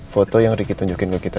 foto yang ricky tunjukin ke kita